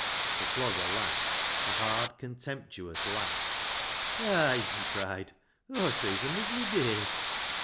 " The Clogger laughed a hard, contemptuous laugh. " Ay !" he cried, " Aw sees 'em ivery day."